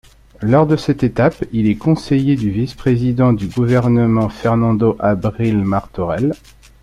Lors de cette étape il est conseiller du vice-président du gouvernement Fernando Abril Martorell.